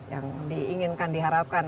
yang diinginkan diharapkan